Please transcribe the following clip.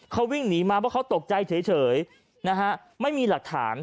เขาวิ่งหนีมาเพราะเขาตกใจเฉยนะฮะไม่มีหลักฐาน